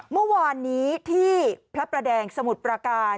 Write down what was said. เมื่อวานนี้ที่พระประแดงสมุทรประการ